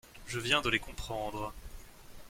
Je viens de les comprendre.